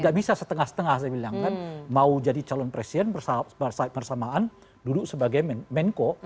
gak bisa setengah setengah saya bilang kan mau jadi calon presiden bersamaan duduk sebagai menko